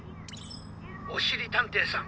「おしりたんていさん